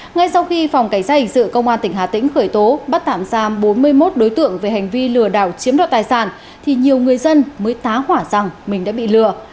ngay sau khi phòng cảnh sát hình sự công an tỉnh hà tĩnh khởi tố bắt tạm giam bốn mươi một đối tượng về hành vi lừa đảo chiếm đoạt tài sản thì nhiều người dân mới tá hỏa rằng mình đã bị lừa